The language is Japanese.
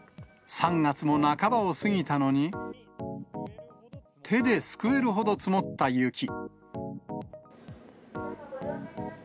３月も半ばを過ぎたのに、手ですくえるほど積もった雪。